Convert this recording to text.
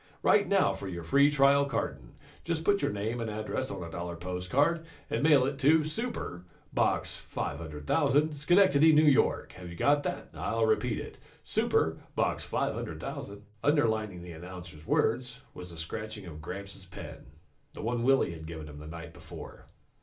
"Write now for your free trial carton. Just put your name and address on a dollar postcard, and mail it to 'Super,' Box 500,000, Schenectady, N. Y. Have you got that? I'll repeat it. 'Super,' Box 500,000 ..." Underlining the announcer's words was the scratching of Gramps' pen, the one Willy had given him the night before.